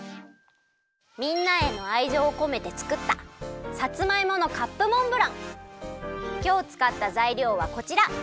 みんなへのあいじょうをこめてつくったきょうつかったざいりょうはこちら。